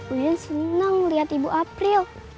uyun seneng terlihat ibu april